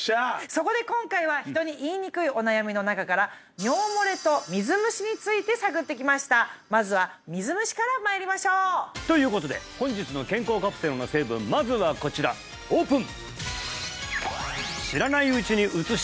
そこで今回は人に言いにくいお悩みの中から尿もれと水虫について探ってきましたということで本日の健康カプセルの成分まずはこちらオープン！